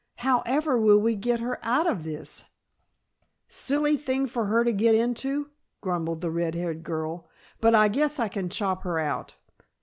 "However will we get her out of this?" "Silly thing for her to get into," grumbled the red haired girl. "But I guess I can chop her out."